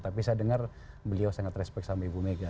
tapi saya dengar beliau sangat respect sama ibu mega